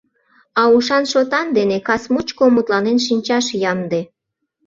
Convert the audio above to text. А ушан-шотан дене кас мучко мутланен шинчаш ямде.